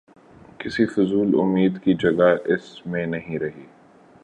کسی فضول امید کی جگہ اس میں نہیں رہی۔